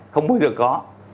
không bao giờ có